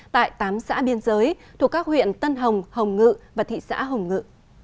tại tám xã biên giới thuộc các huyện tân hồng hồng ngự và thị xã hồng ngự